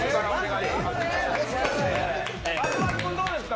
松丸君、どうですか？